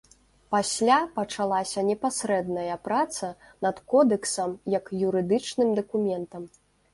Пасля пачалася непасрэдная праца над кодэксам як юрыдычным дакументам.